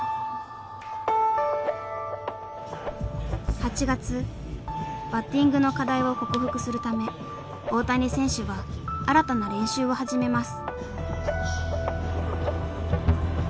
８月バッティングの課題を克服するため大谷選手は新たな練習を始めます。